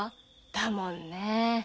だもんねえ。